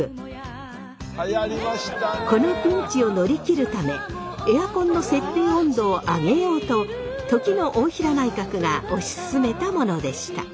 このピンチを乗り切るためエアコンの設定温度を上げようと時の大平内閣が推し進めたものでした。